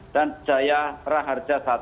dan di desa jaya raharja satu